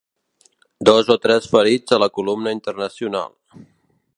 Dos o tres ferits de la Columna Internacional